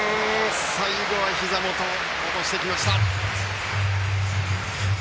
最後はひざ元落としてきました。